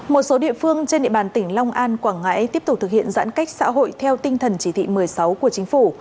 một số địa phương trên địa bàn tỉnh long an quảng ngãi tiếp tục thực hiện giãn cách xã hội theo tinh thần chỉ thị một mươi sáu của chính phủ